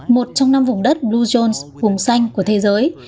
một trong năm vùng đất blue vùng xanh của thế giới